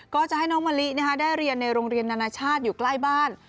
ก็จะให้น้องมะลิได้เรียนในโรงเรียนนานาชาติอยู่ใกล้บ้าน